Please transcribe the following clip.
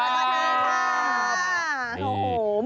สวัสดีค่ะ